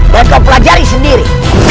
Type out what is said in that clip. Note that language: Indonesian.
dan kau pelajari sendiri